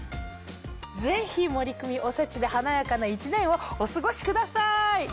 ぜひ森クミおせちで華やかな１年をお過ごしください。